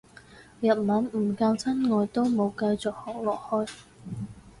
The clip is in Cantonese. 日文唔夠真愛都冇繼續學落去